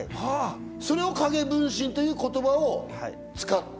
それを「影分身」という言葉を使った。